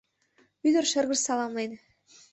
Ӱдыр шыргыж саламлен